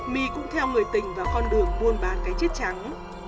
my cũng theo người tình và con đường buôn bán cái chết trắng